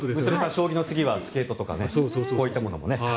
将棋の次はスケートとかこういうものも。